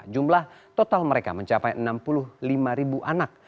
jumlah total mereka mencapai enam puluh lima ribu anak